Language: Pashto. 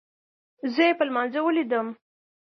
زه يې په لمانځه وليدم.